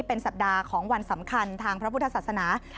เป็นสัปดาห์ของวันสำคัญทางพระบุตสาธาฦาษณะ